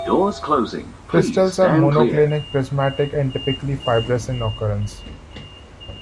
Crystals are monoclinic prismatic and typically fibrous in occurrence.